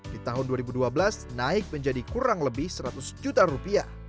di tahun dua ribu dua belas naik menjadi kurang lebih seratus juta rupiah